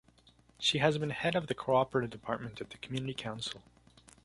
She has been head of the cooperative department at the Community Council.